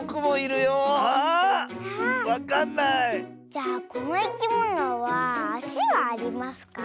じゃあこのいきものはあしはありますか？